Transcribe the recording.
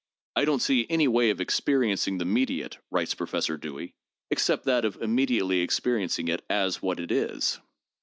' I don't see any way of experienc ing the mediate,' writes Professor Dewey, 'excepting that of immediately ex periencing it as what it is.'